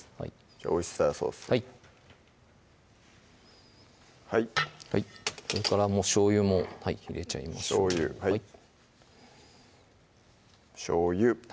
オイスターソースはいはいしょうゆも入れちゃいましょうしょうゆはいしょうゆ